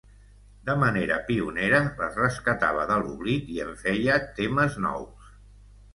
De manera pionera, les rescatava de l’oblit i en feia temes nous.